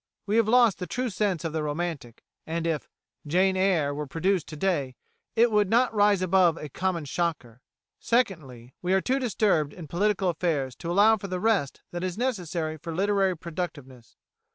We have lost the true sense of the romantic, and if "Jane Eyre" were produced to day it "would not rise above a common shocker." Secondly, we are too disturbed in political affairs to allow for the rest that is necessary for literary productiveness.